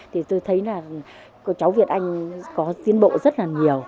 thì tôi thấy là cô cháu việt anh có tiến bộ rất là nhiều